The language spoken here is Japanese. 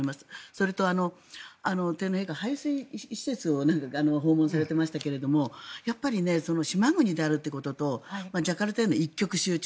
それと、天皇陛下排水施設を訪問されていましたがやっぱり島国であるということとジャカルタへの一極集中